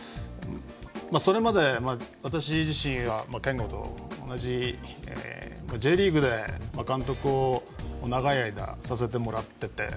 それまで私自身は、憲剛と同じＪリーグで監督を長い間させてもらってて。